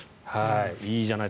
いいじゃない。